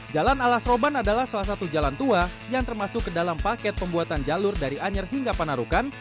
jalan alas roban adalah salah satu jalan tua yang termasuk ke dalam paket pembuatan jalur dari anyer hingga panarukan